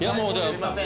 すいません